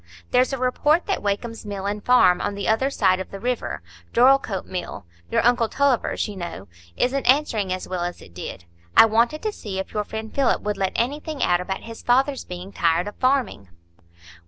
"There's a report that Wakem's mill and farm on the other side of the river—Dorlcote Mill, your uncle Tulliver's, you know—isn't answering so well as it did. I wanted to see if your friend Philip would let anything out about his father's being tired of farming."